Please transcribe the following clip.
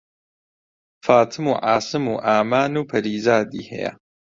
فاتم و عاسم و ئامان و پەریزادی هەیە